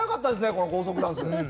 この高速ダンス。